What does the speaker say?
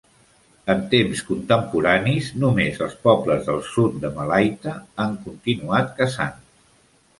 En temps contemporanis, només els pobles del sud de Malaita han continuat caçant.